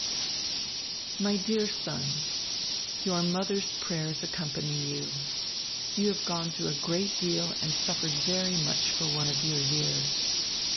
My Dear Son, Your mother's prayers accompany you. You have gone through a great deal and suffered very much for one of your years.